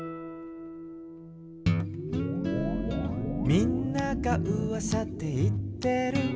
「みんながうわさでいってる」